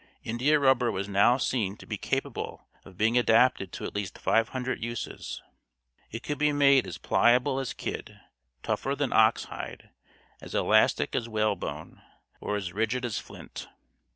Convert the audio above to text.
India rubber was now seen to be capable of being adapted to at least five hundred uses. It could be made "as pliable as kid, tougher than ox hide, as elastic as whalebone, or as rigid as flint."